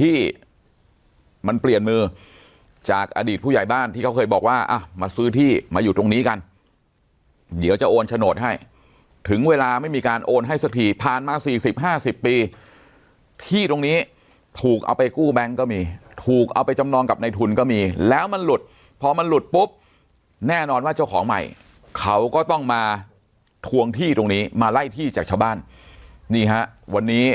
ที่มันเปลี่ยนมือจากอดีตผู้ใหญ่บ้านที่เขาเคยบอกว่าอ่ะมาซื้อที่มาอยู่ตรงนี้กันเดี๋ยวจะโอนโฉนดให้ถึงเวลาไม่มีการโอนให้สักทีผ่านมาสี่สิบห้าสิบปีที่ตรงนี้ถูกเอาไปกู้แบงค์ก็มีถูกเอาไปจำนองกับในทุนก็มีแล้วมันหลุดพอมันหลุดปุ๊บแน่นอนว่าเจ้าของใหม่เขาก็ต้องมาทวงที่ตรงนี้มาไล่ที่จากชาวบ้านนี่ฮะวันนี้